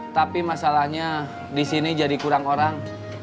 tapi masalahnya di sini jadi kurang orang